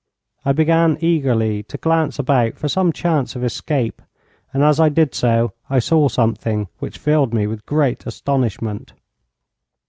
I began eagerly to glance about for some chance of escape, and as I did so I saw something which filled me with great astonishment.